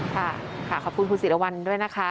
ค่ะค่ะขอบคุณคุณสิริวัณด้วยนะคะ